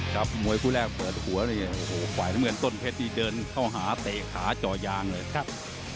กับมวยผู้แรกเปิดหัวฝ่ายน้ำเงินต้นเพชรเดินเข้าหาเตะขาจ่อยางเลยครับ